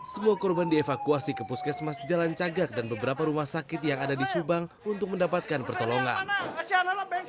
semua korban dievakuasi ke puskesmas jalan cagak dan beberapa rumah sakit yang ada di subang untuk mendapatkan pertolongan